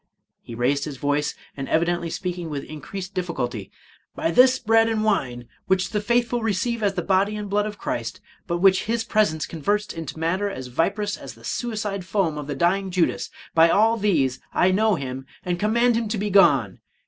He raised his voice, and evidently speaking with increased difficulty, —" By this bread and wine, which the faithful receive as the body and blood of Christ, but which his presence converts into matter as viper ous as the suicide foam of the dying Judas, — ^by all these — I know him, and command him to be gone